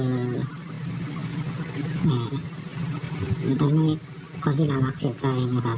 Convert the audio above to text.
มันต้องให้พ่อที่น่ารักเสียใจเนอะแบบ